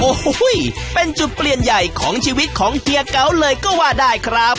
โอ้โหเป็นจุดเปลี่ยนใหญ่ของชีวิตของเฮียเก๋าเลยก็ว่าได้ครับ